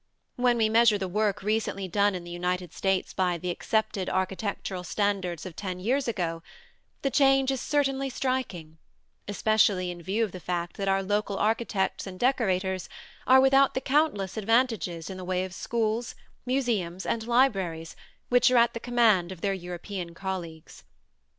When we measure the work recently done in the United States by the accepted architectural standards of ten years ago, the change is certainly striking, especially in view of the fact that our local architects and decorators are without the countless advantages in the way of schools, museums and libraries which are at the command of their European colleagues.